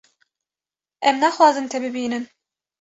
Em naxwazin te bibînin.